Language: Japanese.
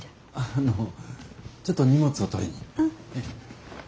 あのちょっと荷物を取りに。